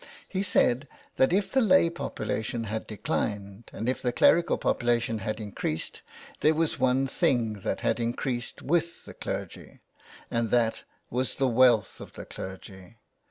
He said that if the lay population had declined, and if the clerical population had increased, there was one thing that had increased with the clergy, and that was the wealth of the clergy.